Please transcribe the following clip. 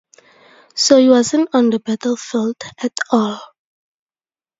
So he wasn't on the battlefield at all.